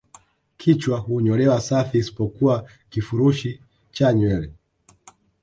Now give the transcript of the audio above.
Kichwa hunyolewa safi isipokuwa kifurushi cha nywele